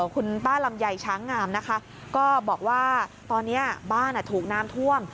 คุณป้าลำไยช้างงามนะคะก็บอกว่าตอนนี้บ้านถูกน้ำท่วม